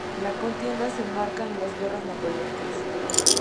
La contienda se enmarca en las Guerras Napoleónicas.